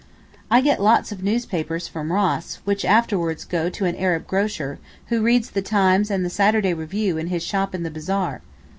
I get lots of newspapers from Ross, which afterwards go to an Arab grocer, who reads the Times and the Saturday Review in his shop in the bazaar!